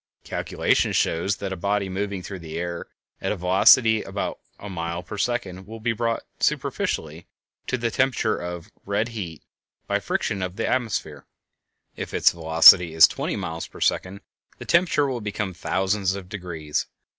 Calculation shows that a body moving through the air at a velocity of about a mile per second will be brought, superficially, to the temperature of "red heat" by friction with the atmosphere. If its velocity is twenty miles per second the temperature will become thousands of degrees.